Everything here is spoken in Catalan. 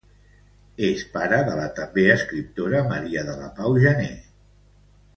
És pare de la també escriptora Maria de la Pau Janer.